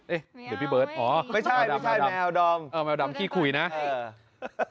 เอ๊ะเดี๋ยวพี่เบิร์ทอ๋อไม่ใช่ไม่ใช่แมวดำเออแมวดำขี้ขุยนะเออ